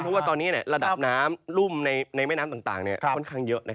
เพราะว่าตอนนี้ระดับน้ำรุ่มในแม่น้ำต่างค่อนข้างเยอะ